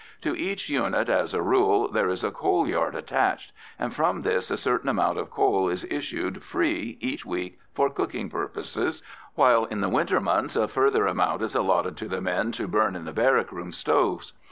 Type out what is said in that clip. To each unit, as a rule, there is a coal yard attached, and from this a certain amount of coal is issued free each week for cooking purposes, while in the winter months a further amount is allotted to the men to burn in the barrack room stoves.